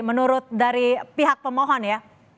menurut dari pihak pemohon ya